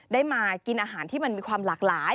ได้มากินอาหารที่มันมีความหลากหลาย